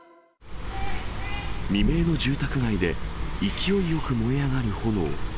未明の住宅街で、勢いよく燃え上がる炎。